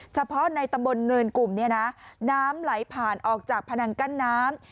เฉพาะในตำบลเนินกลุ่มเนี่ยนะน้ำไหลผ่านออกจากพนังกั้นน้ำ